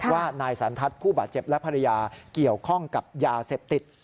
ว่านายสันทัศน์ผู้บาดเจ็บและภรรยาเกี่ยวข้องกับยาเสพติด